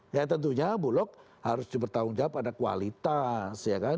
ya tentunya bulog harus bertanggung jawab ada kualitas